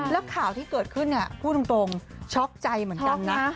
แล้วข่าวที่เกิดขึ้นเนี่ยพูดตรงช็อกใจเหมือนกันนะ